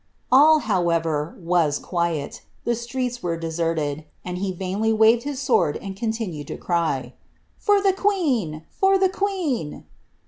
"'* All, however, was quiet ; the streets were deserted, and he vainly waved his sword and continued to cry, ^ For the queen ! for the queen